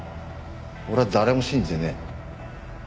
俺は誰も信じてねえ。